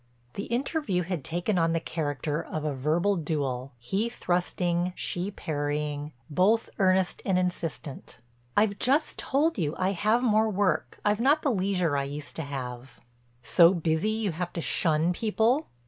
The interview had taken on the character of a verbal duel, he thrusting, she parrying, both earnest and insistent. "I've just told you; I have more work, I've not the leisure I used to have." "So busy you have to shun people?"